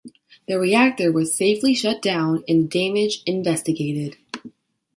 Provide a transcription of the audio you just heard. The reactor was safely shut down and the damage investigated.